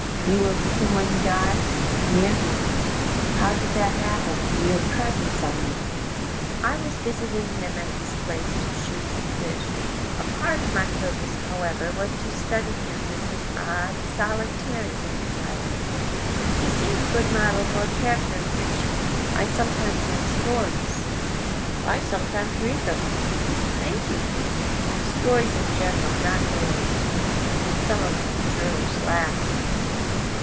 "You were with him when he died?" "Near him." "How did that happen—your presence, I mean?" "I was visiting him at this place to shoot and fish. A part of my purpose, however, was to study him, and his odd, solitary way of life. He seemed a good model for a character in fiction. I sometimes write stories." "I sometimes read them." "Thank you." "Stories in general—not yours." Some of the jurors laughed.